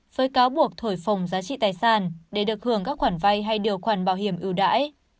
với cáo buộc thổi phồng giá trị tài sản để được hưởng các khoản vay hay điều khoản bảo hiểm ưu đãi